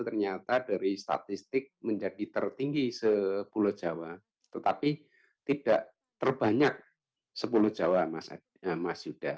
ternyata dari statistik menjadi tertinggi sepuluh jawa tetapi tidak terbanyak sepuluh jawa masa mas yudha